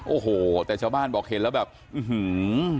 โอ้โหแต่ชาวบ้านบอกเห็นแล้วแบบอื้อหือ